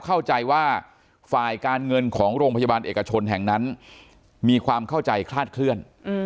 เข้าใจว่าฝ่ายการเงินของโรงพยาบาลเอกชนแห่งนั้นมีความเข้าใจคลาดเคลื่อน